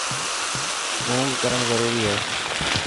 اونگ ڪرڻ ضروري هي.